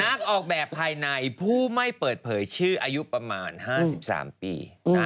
นักออกแบบภายในผู้ไม่เปิดเผยชื่ออายุประมาณ๕๓ปี